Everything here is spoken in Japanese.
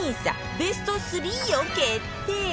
ベスト３を決定